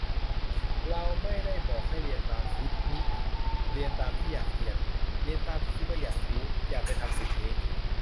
เราไม่ได้บอกให้เรียนตามฮิตนิ เรียนตามที่อยากเรียน เรียนตามที่คิดว่าอยากรู้ อยากไปทำสิ่งนี้